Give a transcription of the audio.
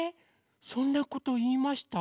そんなこといいました？